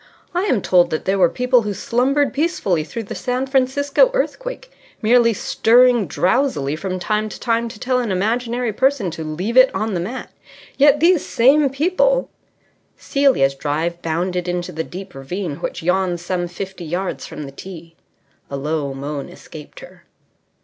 I am told that there were people who slumbered peacefully through the San Francisco earthquake, merely stirring drowsily from time to time to tell an imaginary person to leave it on the mat. Yet these same people " Celia's drive bounded into the deep ravine which yawns some fifty yards from the tee. A low moan escaped her.